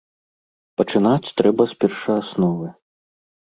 Пачынаць трэба з першаасновы.